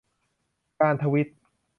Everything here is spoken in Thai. การทวีต